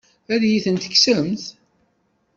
Ad iyi-ten-tekksemt?